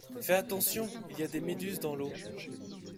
Fais attention, il y a des méduses dans l'eau!